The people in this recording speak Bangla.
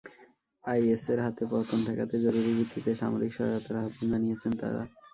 আইএসের হাতে পতন ঠেকাতে জরুরি ভিত্তিতে সামরিক সহায়তার আহ্বান জানিয়েছেন তাঁরা।